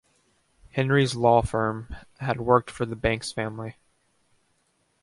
Henry's law firm had worked for the Banks family.